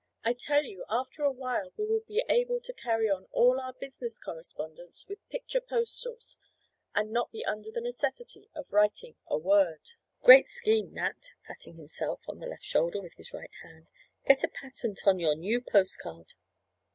I tell you after a while we will be able to carry on all our business correspondence with picture postals and not be under the necessity of writing a word. Great scheme, Nat (patting himself on the left shoulder with his right hand), get a patent on your new post card."